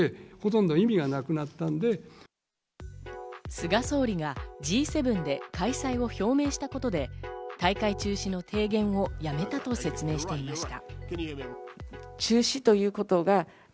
菅総理がＧ７で開催を表明したことで大会中止の提言をやめたと説明していました。